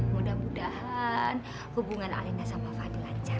mudah mudahan hubungan alina sama fadil lancar